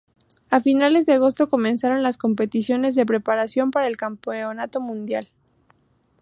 A finales de agosto comenzaron las competiciones de preparación para el Campeonato Mundial.